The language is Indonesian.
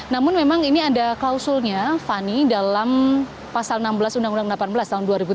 namun memang ini ada klausulnya fani dalam pasal enam belas undang undang delapan belas tahun dua ribu tujuh belas